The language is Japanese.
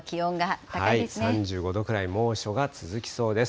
３５度ぐらい、猛暑が続きそうです。